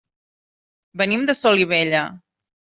Venim de Solivella.